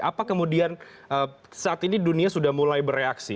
apa kemudian saat ini dunia sudah mulai bereaksi